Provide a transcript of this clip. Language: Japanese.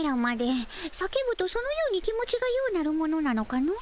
叫ぶとそのように気持ちがようなるものなのかの？